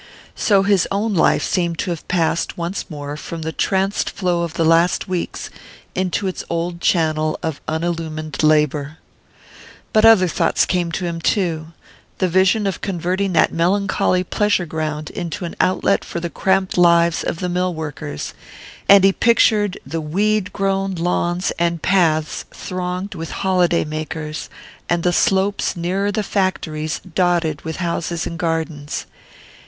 So his own life seemed to have passed once more from the tranced flow of the last weeks into its old channel of unillumined labour. But other thoughts came to him too: the vision of converting that melancholy pleasure ground into an outlet for the cramped lives of the mill workers; and he pictured the weed grown lawns and paths thronged with holiday makers, and the slopes nearer the factories dotted with houses and gardens.